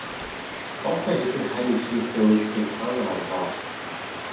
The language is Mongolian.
Тоотой хэдэн хань ижлийнхээ өөдтэйг та нар аллаа.